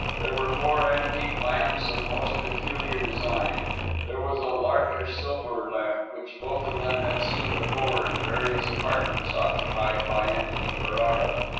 There were four antique lamps of most peculiar design; there was a larger silver lamp, which both of them had seen before in various apartments occupied by Antony Ferrara.